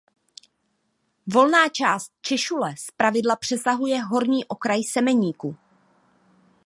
Volná část češule zpravidla přesahuje horní okraj semeníku.